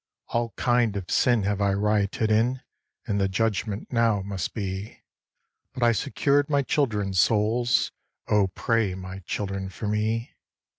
'All kind of sin have I rioted in, And the judgement now must be, But I secured my children's souls, Oh! pray, my children, for me!